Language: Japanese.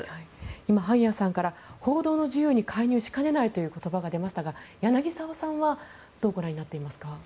今、萩谷さんから報道の自由に介入しかねないという言葉がありましたが柳澤さんはどうご覧になっていますか。